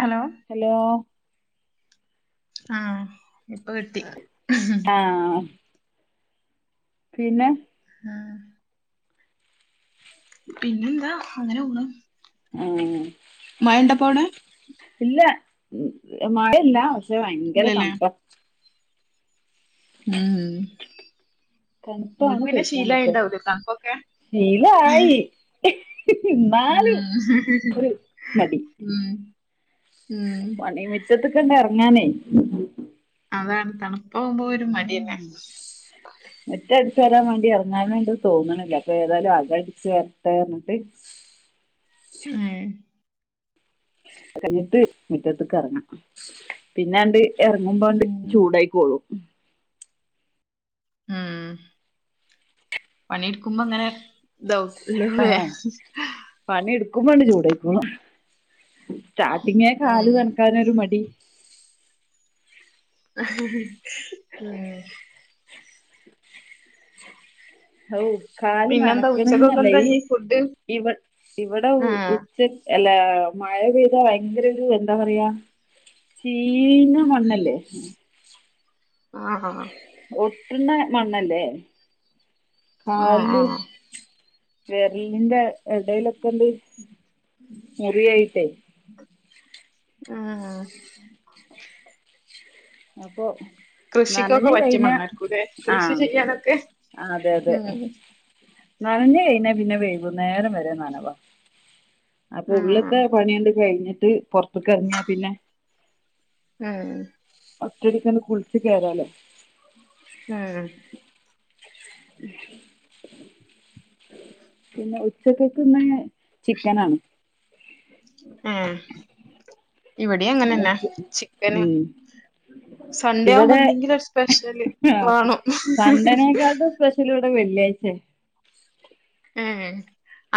Hello hello ആഹ ഇപ്പൊ കിട്ടി ആഹ പിന്നെ ആഹ പിന്നെ എന്താ അങ്ങനെ പോണ് ആ മഴണ്ടപ്പോ അവിടെ ഇല്ല മഴയില്ല പക്ഷെ ഭയങ്കര ഇല്ലല്ലേ തണപ്പാ ഉം ഇങ്ങക്ക് തണുപ്പാണ് പിന്നെ സഹിക്കാൻ ശീല പറ്റാത്ത ആയിണ്ടാവുലെ തണപ്പൊക്കെ ശീലായി ഇന്നാലും ഉം ഒരു മടി ഉം ഉം മുറ്റത്ത്ക്കണ്ട് എറങ്ങാനേ അതാണ് തണുപ്പാവുമ്പോ ഒരു മടിയെന്നെ മുറ്റം അടിച്ച് വാരാൻ വേണ്ടി എറങ്ങാനണ്ട് തോന്നണില്ല അപ്പൊ ഏതായാലും അക അടിച്ച് വാരട്ടെ പറഞ്ഞി പറഞ്ഞിട്ട് ഏ അത് കഴഞ്ഞിട്ട് മുറ്റത്ത്ക്ക് എറങ്ങാ പിന്നെ അണ്ട് ഇറങ്ങുമ്പോണ്ട് ഉം ചൂടായിക്കോള്ളൂ ഉം പണിയെടുക്കുമ്പോ അങ്ങനെ ഇതാവും ള്ളുലെ ആഹ് പണി എടുക്കുമ്പോണ്ട് ചൂടായിക്കോളും സ്റ്റാർട്ടിങ്ങേ ഉം കാല് നനക്കാനൊരു മടി [unintelligible] ഓ കാല് പിന്നെന്താ ഉച്ചക്കൊക്കെ നനക്കണേന്നല്ല എന്താ ഈ ഇനി ഫുഡ് ഇവ ഇവിടെ ആഹ് ഉ ച്ചക്ക് അല്ല മഴ പെയ്താ ഭയങ്കര ഒരു എന്താ പറയാ ചീന മണ്ണല്ലെ ആഹ ഒട്ട്ണെ മണ്ണല്ലേ ആഹ് കാലില് ആഹ് വിരലിന്റെ ഇടയിലൊക്കെണ്ട് മുറിയായിട്ടേ ആഹ അപ്പൊ കൃഷിക്കൊക്കെ നനഞ്ഞ് പറ്റിയ കഴിഞ്ഞ മണ്ണായിരിക്കൂല്ലേ കൃഷി ആഹ ചെയ്യാനൊക്കെ അതെ അതെ ഉം നനഞ്ഞ കഴിഞ്ഞ പിന്നെ വേകു നേരം വരെ നനവാ അപ്പൊ ആഹ് ഉള്ളത്തെ പണിയണ്ട് കഴിഞ്ഞിട്ട് പുറത്തക്കറങ്ങിയാ പിന്നെ ഉം ഒറ്റയടിക്ക് ഒന്ന് കുളിച്ചച്ച് കേയറാലോ ഉം അ പിന്നെ ഉച്ചക്കക്കന്ന് ചിക്കന ആാണ് ആഹ ഇവിടെ അങ്ങനെന്നെ ചിക്കന് ഉം സൺഡേ ആവുമ്പോ ഇവിടെ എന്തെങ്കിലും ഒരു സ്പെഷ്യല് വേണംോ സ്പെഷ്യലൂടെ വെള്ളിയാഴ്ച്ചേ ഉം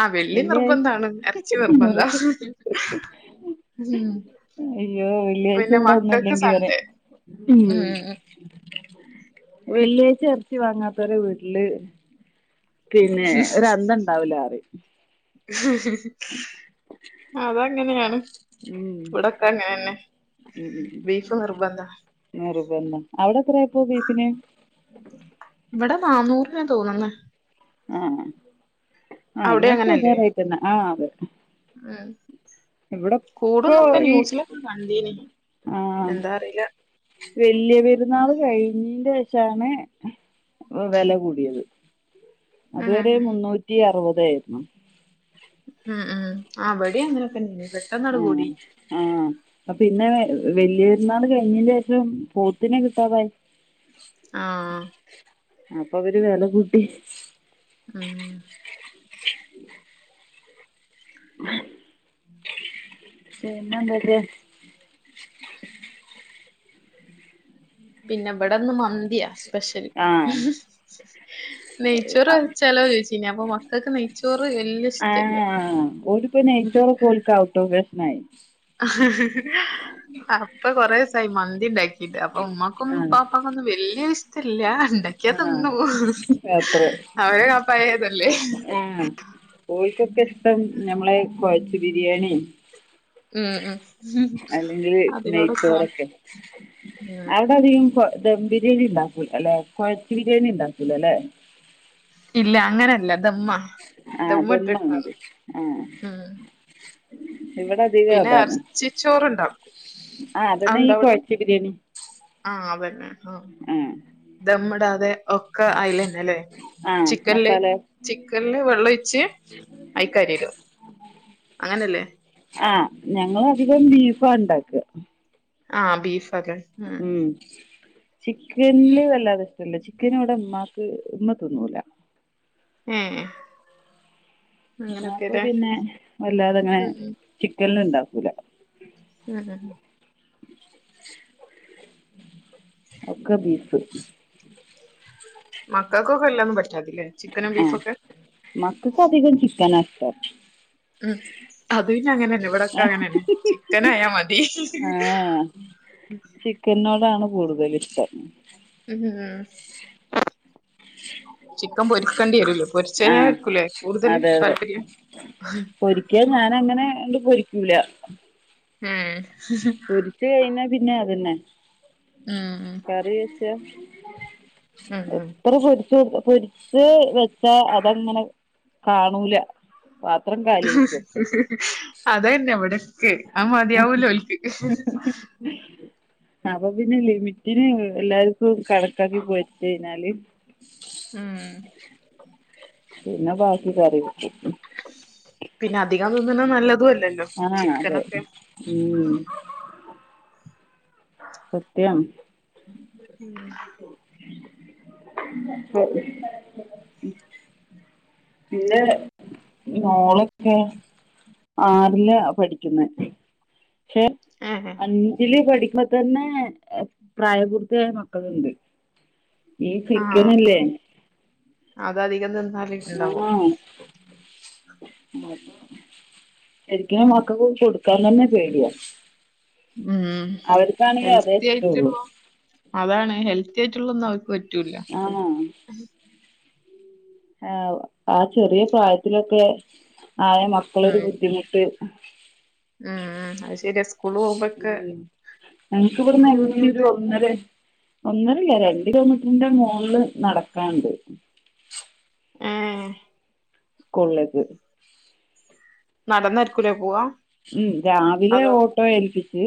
ആഹ് വെള്ളി വെള്ളിയാഴ് നിർബന്ധാണ് ഇറച്ചി നിർബന്ധം നുറുക്ക് ഉ അയ്യോ വെള്ളിയാഴ്ച ഇവിടെ ഒന്നുംല്ലെങ്കി വരെ സൺഡേ ഉം വെള്ളിയാഴ്ച ഇറച്ചി വാങ്ങാത്തവരെ വീട്ടില് പിന്നെ ഒരന്തണ്ടാവുല്ലാറിയും ഉ അത അങ്ങനെയാണ് ഉം ഇവിടൊക്കെ അങ്ങനെ തന്നെ ഉം ഉം ബീഫ് നിർബന്ത [unintelligible] അവിടെ എത്രയയാപ്പോ ബീഫിന് ഇവിടെ നാന്നൂറിന തോന്നുന്നത് ആഹ ആഹ അവിടെ എല്ലാർക്കും അങ്ങനല്ലേ ഇതേ റേറ്റന്നെ ആഹ അതെ ഉം ഇവിടെ ഇപ്പൊ കൂടുംന്നൊക്കെ ഈ ന്യൂസിലൊക്കും കണ്ടീ നി എന്താ അറിയില്ല വെല്യ പെരുന്നാള് കഴിഞ്ഞീന്റെശാണ് വെല കൂടിയത്. ഉം അതുവരെ മുന്നൂറ്റി അറുപതായിരുന്നു ആഹ് ആഹ്, ആവടിം അങ്ങനൊക്കെന്നേനി പെട്ടെന്നാണ്ട് ആഹ്‌ കൂടി ആഹ്‌ അ പിന്നെ വല്യര്ന്നാള് കയ്ഞ്ഞീന്റെശം പോത്തിനെ കിട്ടാതായി ആഹ്‌ അപ്പവര് വെല കൂട്ടി ആഹ്‌ പിന്നെന്തൊക്കെ പിന്നെ വെടെന്ന് മന്തിയാ സ്പെഷൽ ആഹ് നെയ്ച്ചോറ് വെച്ചാലോ ചോദിച്ചു ഇനി അപ്പൊ മക്കൾക്ക് നെയ ആഹ്‌ ഓൽക്പ്പോ നൈചോറൊക്കോൽക്ക് ഔട്ട് ഓ ഫേഷായി അപ്പ കൊറേ ദിവസായി മന്തിണ്ടാക്കി ഇത് അപ്പൊ ഉമ്മക്കും ആഹ് പാപ്പക്കൊന്നും വല്യൊരിഷ്ടല്ല. ണ്ടാക്ക്യ ആഹ് തിന്നും അത്രേ അവരെ അപ്പായതല്ലേ ആഹ് ഓൽക്കൊക്കെ ഇഷ്ടം ഞമ്മളെ കൊഴച്ച് ബിരിയാണിം ഉം ഉം അല്ലെങ്കില് അതിനോടൊക്കെ നെയ്ച്ചോറൊക്കെ ഉം ഔ ടധികം ധം ബിരിയാണി ഉണ്ടാക്കൂലലെ. കൊഴച്ച് ബിരിയാണി ണ്ടാക്കൂലലെ ഇല്ല അങ്ങനെല്ല ദമ്മ ആഹ്‌ ദമ്മാണത് ആഹ്‌ ഉം ഇവടധികം പിന്നെ അതാണ് എറച്ചിച്ചോറുണ്ടാക്കും. ആഹ്‌ അതന്നെ ഈ കൊഴച്ചി ബിരിയാണി ആഹ്‌ അതന്നെ ആഹ്‌ ആ ദമ്മ്ടാതെ ഒക് ക്ക ഐലന്നെ ലേ. ആ ചിക്കൻല് മസാല ചിക്കൻല് വെള്ളൊയ്ച്ച് അയ്ക്കരിടും അങ്ങനെല്ലേ ആഹ് ഞങ്ങളധികം ബീഫാണ്ടാക്ക ആഹ്‌ ബീഫാലെ ഉം ചിക്കൻന് വല്ലാതെ ഇഷ്ടല്ല. ചിക്കന് വടെ മ്മാക്ക് മ്മ തിന്നൂല ഏഹ്‌ ഞാപ്പ പിന്നെ ഉം വല്ലാതെങ്ങനെ ഉം ചിക്കൻലുണ്ടാക്കൂല ആഹ്ഹഹ്‌ ഒക്കെ ബീഫ് മക്കക്കൊക്കെല്ലതും പറ്റാതി ല്ലേ ആഹ്‌ മക്കക്കധികം ചിക്കനാഷ്ടം ഉം അത് പിന്നെ അങ്ങനെന്നെ. വടൊക്കെ അങ്ങനന്നെ ചിക്കനായാ മതി ചിക്കൻനോടാണ് കൂടുതലിഷ്ടം ഉം ആഹ് ചിക്കൻ പൊരിക്കണ്ടെയെരുലെ ആഹ് പൊരിച്ചത്തിനോടെക്കുലേ കൂടുതല് അതെ അതെ താല്പര്യം പൊരിക്കാൻ ഞാനങ്ങനെ ണ്ട് പൊരിക്കൂല ഏഹ് പൊരിച്ച് കഴിഞ്ഞാ പിന്നെ അതന്നെ ഉം ഉം കറിവെച്ച ഉം ഉം എത്ര പൊരിച്ച കൊടു പൊരി ച്ച് വെച്ചാ അതങ്ങനെ കാണൂല പാത്രം ക അതന്നെ വടൊക്ക്. ‌ അഹ്‌ മതിയാവൂലോൽക് [inaudible] അപ്പൊ പിന്നെ ലിമിറ്റിന് എല്ലാർക്കു കണക്കാക്കി പൊയിച്ചഴിഞ്ഞാല് ഉം. പിന്നേ ബാക്കി കറിവെക്കും. പിന്നെ അധികം തിന്നുന്ന നല്ലതു അല്ലല്ലോ ആഹ് അതെ ചിക്കനൊക്കെ? ഉം. ആ [unintelligible] സത്യം. ഉം അ [unintelligible] പിന്നെ മോളൊക്കെ ആറില പഠിക്കുന്നെ പക്ഷെ ഏ അഞ്ചില് പഠിക്ക് തന്നെ പ്രായപൂർത്തിയായ മക്കളുണ്ട് ഈ ആഹ് ചിക്കനില്ലേ അതധികം തിന്ന് ഞാനേ [unintelligible] എനിക്ക മക്കക്ക്‌ കൊടുക്കാൻ തന്നെ പേടിയാ. ഉം അവർക്കാണെങ്കി അതേ ഹെൽത്തി ഇഷ്ടള്ളൂ ആയിട്ടുള്ള അതാണ് ഹെൽത്തി ആയിട്ടുള്ളന്ന് അവർക്ക് പറ്റ ആണോ? ആ ആ ചെറിയ പ്രായത്തിലൊക്കെ ആയ മക്കളൊരു ബുദ്ധിമുട്ട് ഉം ഉം അത് ശരിയാ സ് ഉം ഞങ്ങക്കിവിടെന്ന് എങ്ങനെയ ഒരു ഒന്നരെ ഒന്നരയല്ല് രണ്ട് കിലോമീറ്ററിന്റെ മോളില് നടക്കാനുണ്ട്. ആഹ് സ്കൂളിലേക്ക്- നടന്നാരികൂലെ പോവാ ഉം രാവിലെ അതോ ഓട്ടോ ഏൽപ്പിച്ച്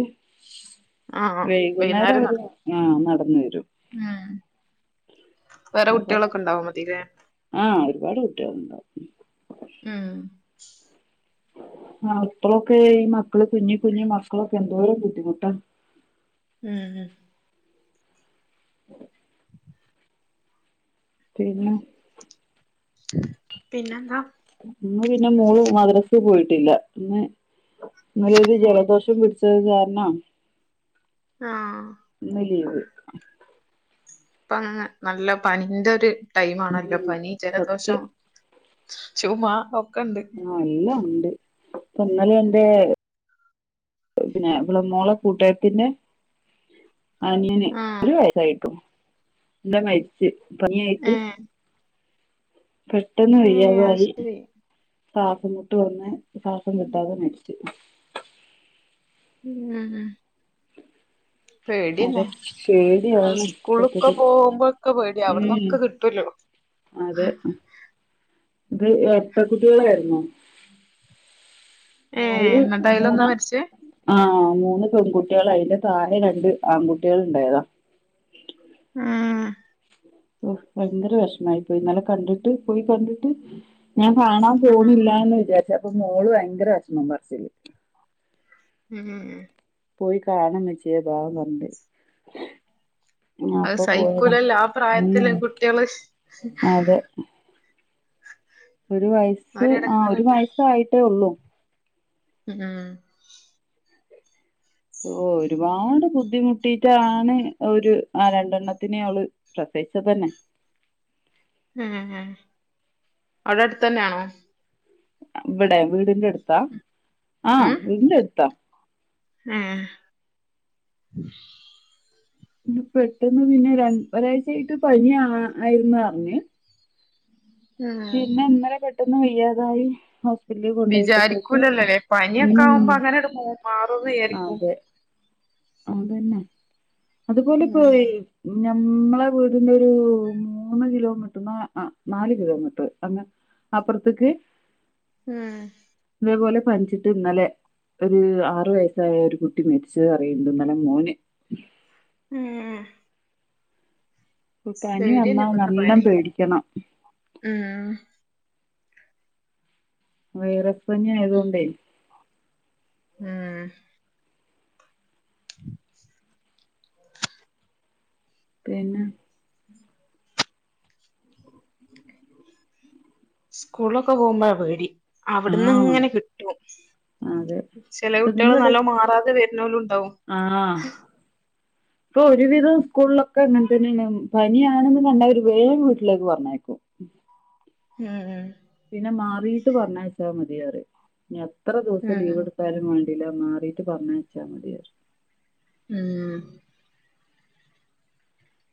ആഹ് വൈകുന്നേരം നട അവര് ആഹ് നടന്ന് വരും. ഉം വേറെ അപ്പൊ കുട്ടികളൊക്കെ ഉണ്ടാവും മതിലെ ആഹ് ഒരുപാട് കുട്ടികളുണ്ടാവും. ഉം. ആഹ് ഇപ്പഴൊക്കെ ഈ മക്കള് കുഞ്ഞി കുഞ്ഞി മക്കളൊക്കെ എന്തോരം ബുദ്ധിമുട്ടാ. ഉം ഉം. [inaudible] പിന്നെ? പിന്നെന്താ? ഇന്ന് പിന്നെ മോള് മദ്രസേ പോയിട്ടില്ല ഇന്ന് ന്നല്ലൊരു ജലദോഷം പിടിച്ചത് കാരണം ആഹ്. ഇന്ന് ലീവ് - ഇപ്പാ നല്ല പനിന്റെ ഒരു ടൈം ആണല്ലോ ഉം പനി, ജലദോഷം, സത്യം ചുമ ഒക്കെയുണ്ട്. എല്ലാം ഉണ്ട് ഇപ്പൊ ഇന്നലെ എന്റെ പിന്നെ ഇവളേ മോളെ കൂട്ടാകാരീത്തിന്റെ ആനിയന് ആഹ് ഒരു വയസായിട്ടു. എന്ന് മരിച്ച് പനിയായിട്ട്. [inaudible] പെട്ടെന്ന് ഏഹ് അത് വയ്യാതായി ശരി ശ്വാസം മുട്ട് വന്ന് ശ്വാസം കിട്ടാതെ മരിച്ച്. [inaudible] വുങ്ങാ അതെ പേടിയാണ് സ്കൂളൊക്കെ ഇപ്പത്തേനി പോകുമ്പോക്കെ പേടിയാ ഉം.. അവിടന്നൊക്കെ കിട്ടുവല്ലോ അത് ഇത് ഇരട്ടക്കുട്ടികളായിരുന്നോ? ഏഹ് മോൾല് എന്നിട്ട് മൂന്ന അയിലൊന്നാ മരിച്ചേ ആഹ് മൂന്ന് പെൺകുട്ടീള് അയിന്റെ താഴെ രണ്ട് ആൺകുട്ടീള് ഇണ്ടായത. ആഹ് ഓഹ് ഭയങ്കര വെഷമായി പോയ് ഇന്നലെ കണ്ടിട്ട് പോയ് കണ്ട്ട്ട് ഞാ കാണാൻ പോണില്ലാന്ന് വിചാരിച്ച്. അപ്പൊ മോള് ഭയങ്കര വെഷമം പറ്ച്ചില്. ഉം ഉം ഉം പോയി കാണ ഉമ്മച്ചി ബാപർഞ്ട്ട് അത് അപ്പൊ പോയതാ സഹിക്കൂലല്ലോ ആ പ്രായത്തില് കുട്ടികള് ഉംഅതെ ഒരു വയസ്സ് ആഹ് ഒര് അവരെടങ്ങേറന്നെ വയസ്സായിട്ടെ ഉള്ളു. ഉ ഉം ഓഹ് ഒരുപാട് ബുദ്ധിമുട്ടിട്ടാണ് ഒരു ആഹ് രണ്ടെണ്ണത്തിനെ അവള് പ്രസവിച്ചതെന്നെ. ഉം ഉം അവടെ അട്ത്തെന്നാണൊ? ഇവടെ വീടിന്റെ അട്ത്താ ആഹ് ഉം വീടിന്റെ അട്ത്ത. ഏഹ് പെട്ടന്ന് പിന്നെ രൺ ഒരാഴ്ച ആയിട്ട് പനി ആയിര്ന്ന് അർഞ്ഞ് പിന്നെ ഇന്നലെ പെട്ടെന്ന് വയ്യാതായി പിറ്റലി കൊണ്ടോയപ്പത്തേക്ക് വിചാരിക്കൂലല്ലോല്ലേ പനിയൊക്കെ ഉം ആവുമ്പോ അങ്ങനെട് മാറുംന്ന് വിചാരിക്കും അതെ അതെന്നെ അത്പോലെ പോയി. ഉം ഞമ്മ്ളെ വീടിന്റെ ഒരൂ മൂന്ന് കിലോമീറ്റ്ർ ആനാല് കിലോമീറ്റർ അപ്പർത്ത്ക്ക്. ആഹ് ഇതേ പോലെ പൻച്ച്ട്ട് ഇന്നലെ ഒര് ആറു വയസ്സായ ഒരു കുട്ടി മരിച്ച് അറീണ്ണ്ട് ഇന്നലെ മോന്. ഉം ഇപ്പ പനി പേടിയന്നെ വന്നാ ഇപ്പത്തെ നല്ലം പനി പേടിക്കണം. ഉം വൈറൽപ്പനി ആയതോണ്ടെ ഉം പിന്ന സ്കൂൾളൊക്ക പോവുമ്പയ പേടി അവിട്ന്ന് ആ ഇങ്ങനെ കിട്ടും അതെ ചെല കുട്ട്യോള് നല്ലൊം മാറാതെ വര്ന്നോലുണ്ടാവും ആഹ് ഇപ്പൊ ഒരു വിധം സ്കൂൾലൊക്ക ഇങ്ങൻതന്നേണ്‌ പനിയാണെന്ന് കണ്ട ഓര് വേം വീട്ടിലേക്ക്പറഞ്ഞയക്കും ഉം ഉം പിന്നെ മാറിട്ട് പറഞ്ഞയ്ച്ചാ മതി അറിം ഇഞ്ഞെത്ര ദിവസം ഉം ലീവ്ട് ത്താലുംവാണ്ടില മാറീട്ട് പറഞ്ഞയ്ച്ചാമതീ അറിം ഉം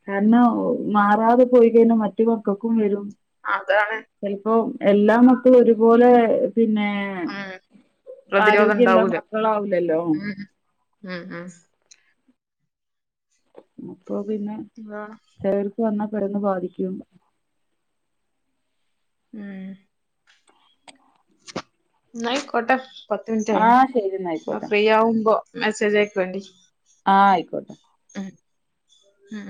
കാര്ണം മാറാതെപോയികഴ്ഞ്ഞാ മറ്റു മക്കക്കും വരും അതാണ് ചെൽപ്പോ എല്ലാമക്കളുംഒരുപോലെ പിന്നേ ന്നേ ഉം പ്രതിരോധം ആരോഗ്യള്ള ഉണ്ടാവൂല മക്കളാവുലല്ലോ ഉം ഉം ഉം അപ്പൊ പിന്നെ ആഹ് ചേലോൽക്ക് വന്നാപരന്ന്ബാധിക്കും ഉം ന്നാ അയിക്കോട്ടെ പത്ത് മിനിറ്റ് ആ ആയിണ്‌ ശരി എന്നാ ന്ന ആയിക്കോട്ടെ ഫ്രീ ആവുമ്പോ മെസ്സേജ്‌ അയക്കണ്ടി ആഹ് ആയ്ക്കോട്ടെ ഉം ഉം